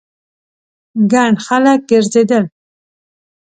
ګڼ خلک ګرځېدل.